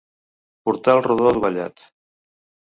Portal rodó dovellat.